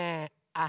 あ！